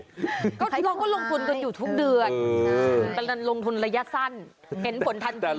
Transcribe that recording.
เพราะเราก็ลงทุนกันอยู่ทุกเดือนมันลงทุนระยะสั้นเห็นผลทันที